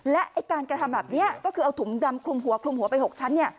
และการกระทำแบบนี้ก็คือเอาถุงดำคลุมหัวคลุมหัวไป๖ชั้น